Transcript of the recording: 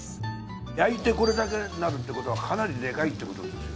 焼いてこれだけなるってことはかなりでかいってことですよ。